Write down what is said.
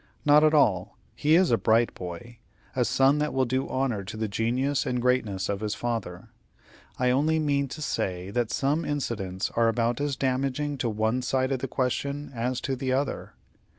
Not at all; he is a bright boy, a son that will do honor to the genius and greatness of his father; I only mean to say that some incidents are about as damaging to one side of the question as to the other.